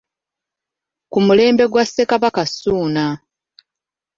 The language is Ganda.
Ku mulembe gwa Ssekabaka Ssuuna.